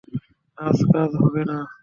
আজ কাজ হবে না।